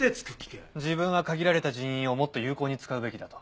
自分は限られた人員をもっと有効に使うべきだと。